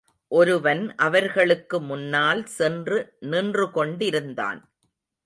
ஒருவன் அவர்களுக்கு முன்னால் சென்று நின்று கொண்டிருந்தான்.